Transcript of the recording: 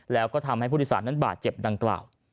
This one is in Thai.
แล้วก็ทำให้ผู้โดยสารนั้นบาดเจ็บดังกล่าว